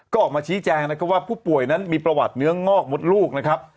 ก็ออกมาชี้แจงนะครับว่าผู้ป่วยนั้นมีประวัติเนื้องอกมดลูกนะครับ